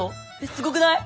すごくない！？